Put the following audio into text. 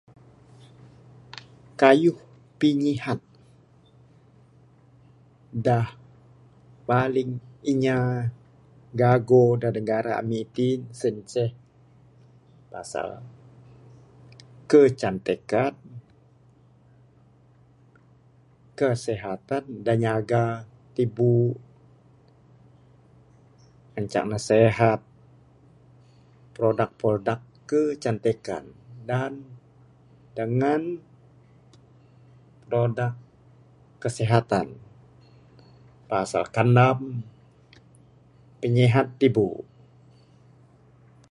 Kayuh pinyihat da paling inya gago da negara ami itin sien ceh pasal kecantikan, kesihatan da nyaga tibuk...ngancak ne sihat, produk-produk kecantikan dan...dangan produk kesihatan pasal kanam, pinyihat tibuk.